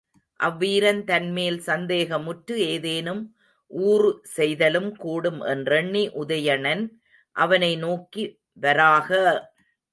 அவ் வீரன் தன்மேல் சந்தேகமுற்று ஏதேனும் ஊறு செய்தலும் கூடும் என்றெண்ணி உதயணன் அவனை நோக்கி, வராக!